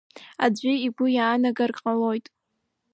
Аӡәы игәы иаанагар ҟалоит…